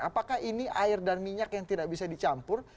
apakah ini air dan minyak yang tidak bisa dicampur